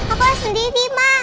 aku harus sendiri ma